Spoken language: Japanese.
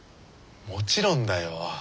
もちろんだよ。